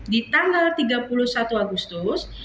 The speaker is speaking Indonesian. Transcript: di tanggal tiga puluh satu agustus